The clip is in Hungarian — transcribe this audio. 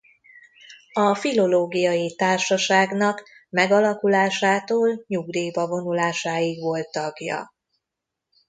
A Filológiai Társaságnak megalakulásától nyugdíjba vonulásáig volt tagja.